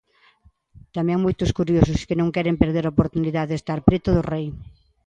Tamén moitos curiosos que non queren perder a oportunidade de estar preto do rei.